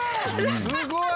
すごい！